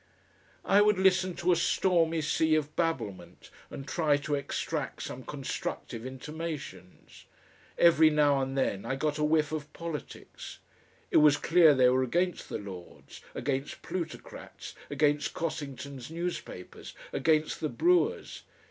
I would listen to a stormy sea of babblement, and try to extract some constructive intimations. Every now and then I got a whiff of politics. It was clear they were against the Lords against plutocrats against Cossington's newspapers against the brewers....